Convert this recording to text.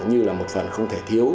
như là một phần không thể thiếu